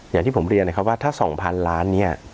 อย่างที่ผมเรียนนะครับว่าถ้า๒๐๐๐ล้านเนี่ย